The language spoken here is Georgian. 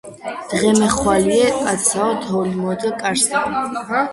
დღემეხვალიე კაცსაო თოვლი მოადგა კარსაო